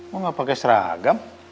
mau gak pake seragam